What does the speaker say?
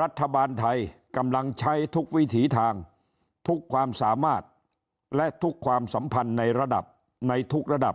รัฐบาลไทยกำลังใช้ทุกวิถีทางทุกความสามารถและทุกความสัมพันธ์ในระดับในทุกระดับ